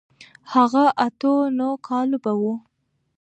هغه اتو نهو کالو به و.